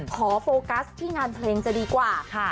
โฟกัสที่งานเพลงจะดีกว่าค่ะ